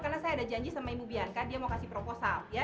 karena saya ada janji sama ibu bianca dia mau kasih proposal ya